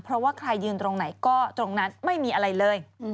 เพราะว่าใครยืนตรงไหนก็ตรงนั้นไม่มีอะไรเลย